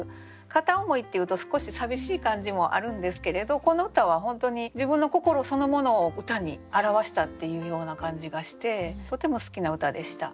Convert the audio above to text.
片思いっていうと少し寂しい感じもあるんですけれどこの歌は本当に自分の心そのものを歌に表したっていうような感じがしてとても好きな歌でした。